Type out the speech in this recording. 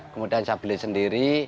kemudian saya beli sendiri